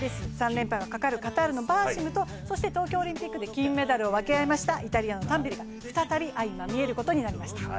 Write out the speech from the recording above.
３連覇がかかるカタールのバーシムと東京オリンピックで金メダルを分け合いましたイタリアのタンベリが再び相まみえることになりました。